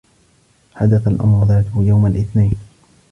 حدث الأمر ذاته يوم الإثنين.